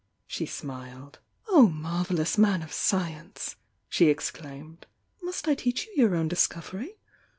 She smiled. "Oh, marvellous man of sciencel" she exclaimed— "Must I teach you your own discovery?